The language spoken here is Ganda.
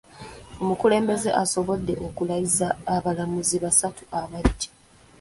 Omukulembeze asobodde okulayiza abalamuzi basatu abaggya .